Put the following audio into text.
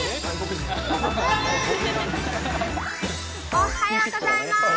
おはようございます。